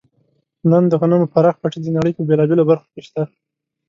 نن د غنمو پراخ پټي د نړۍ په بېلابېلو برخو کې شته.